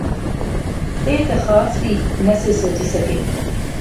ایہہ تہ خاص وی نہسے سوچی سکے